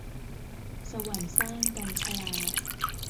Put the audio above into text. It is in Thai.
สวรรค์สร้าง - กัญญ์ชลา